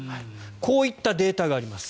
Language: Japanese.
こういったデータがあります